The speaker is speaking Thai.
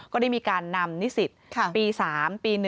ก็ได้มีการนำนิสิตปี๓ปี๑